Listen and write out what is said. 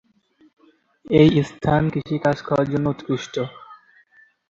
এই স্থান কৃষি কাজ করার জন্য উৎকৃষ্ট।